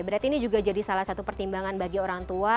berarti ini juga jadi salah satu pertimbangan bagi orang tua